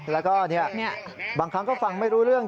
แล้วก็บางครั้งก็ฟังไม่รู้เรื่อง